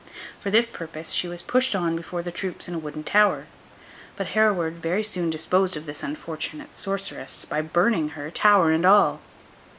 For this purpose she was pushed on before the troops in a wooden tower; but Hereward very soon disposed of this unfortunate sorceress, by burning her, tower and all.